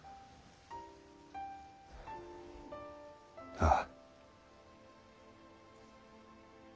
ああ。